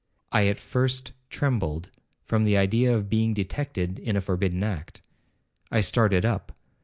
I at first trembled, from the idea of being detected in a forbidden act. I started up.